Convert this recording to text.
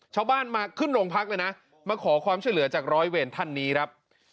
ชาวบ้านมาขึ้นโรงพักเลยนะมาขอความช่วยเหลือจากร้อยเวรท่านนี้ครับ